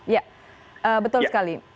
ya betul sekali